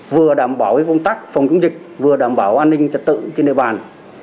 vừa đảm bảo cái công tác phòng chống dịch vừa đảm bảo an ninh trật tự trên đề bàn